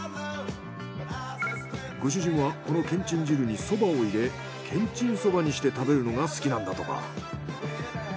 ご主人はこのけんちん汁にそばを入れけんちんそばにして食べるのが好きなんだとか。